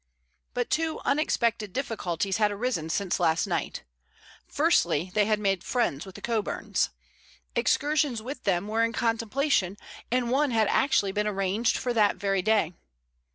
But two unexpected difficulties had arisen since last night. Firstly, they had made friends with the Coburns. Excursions with them were in contemplation, and one had actually been arranged for that very day.